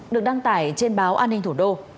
được đăng tải trên báo an ninh thủ đô